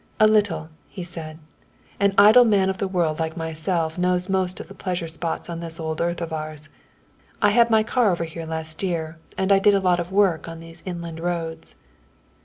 "A little," he said. "An idle man of the world like myself knows most of the pleasure spots on this old earth of ours I had my car over here last year and I did a lot of work on these inland roads."